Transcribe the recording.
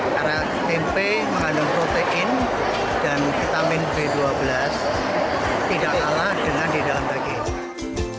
karena tempe mengandung protein dan vitamin b dua belas tidak ala dengan di dalam bagian